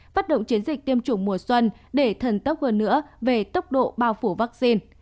phát động chiến dịch tiêm chủng mùa xuân để thần tốc hơn nữa về tốc độ bao phủ vaccine